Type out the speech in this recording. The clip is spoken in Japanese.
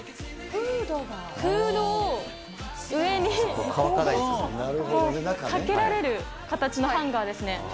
フードを上に、かけられる形のハンガーですね。